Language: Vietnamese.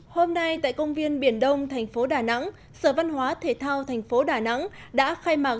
hôm nay tại công viên biển đông thành phố đà nẵng sở văn hóa thể thao thành phố đà nẵng đã khai mạc